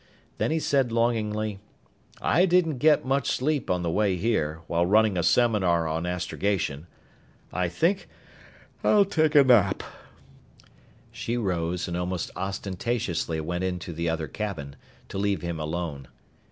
Then he said longingly, "I didn't get much sleep on the way here, while running a seminar on astrogation. I think I'll take a nap." She rose and almost ostentatiously went into the other cabin, to leave him alone.